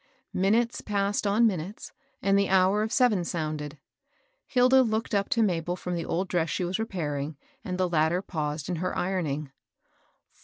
Minutes passed on minutes, and the hour of seven sounded. Hilda looked up to Mabel from the old dress she was repairing, and the latter paused in her ironing.